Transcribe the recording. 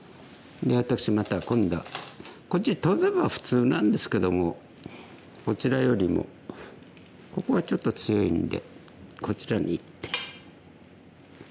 で私また今度はこっちにトベば普通なんですけどもこちらよりもここがちょっと強いんでこちらに一手。